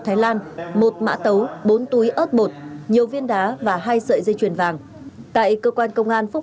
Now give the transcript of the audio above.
thái lan một mã tấu bốn túi ớt bột nhiều viên đá và hai sợi dây chuyền vàng tại cơ quan công an phúc